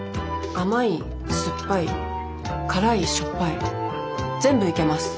甘い酸っぱい辛いしょっぱい全部いけます。